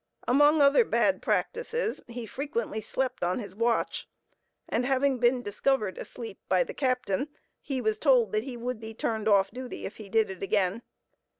Among other bad practices, he frequently slept on his watch, and having been discovered asleep by the captain, he was told that he would be turned off duty if he did it again.